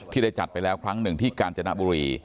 ได้จัดไปแล้วครั้งหนึ่งที่กาญจนบุรี